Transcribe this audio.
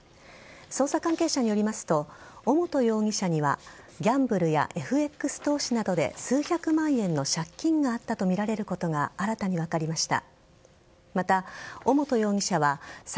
捜査関係者によりますと尾本容疑者にはギャンブルやＦＸ投資などで数百万円の借金があったとみられることが新たに分かりました。